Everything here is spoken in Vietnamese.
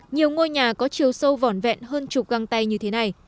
nhiều ngôi nhà có chiều sâu vỏn vẹn hơn chục găng tay như thế này